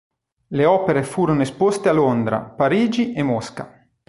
Le opere furono esposte a Londra, Parigi e Mosca.